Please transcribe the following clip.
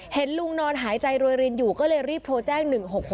เห็นลุงนอนหายใจรวยรินอยู่ก็เลยรีบโทรแจ้ง๑๖๖